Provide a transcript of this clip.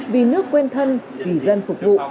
vì nước quen thân vì dân phục vụ